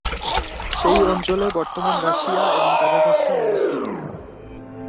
সেই অঞ্চলে বর্তমান রাশিয়া এবং কাজাখস্তান অবস্থিত।